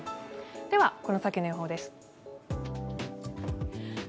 では、この先の予報です。